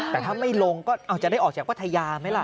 แต่ถ้าไม่ลงก็จะได้ออกจากพัทยาไหมล่ะ